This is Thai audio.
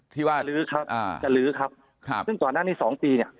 ที่ว่าลื้อครับอ่าจะลื้อครับครับซึ่งก่อนหน้านี้สองปีเนี่ย